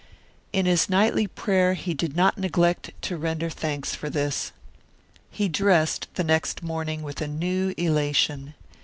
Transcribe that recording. In his nightly prayer he did not neglect to render thanks for this. He dressed the next morning with a new elation.